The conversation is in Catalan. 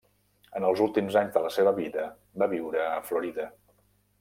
En els últims anys de la seva vida va viure en Florida.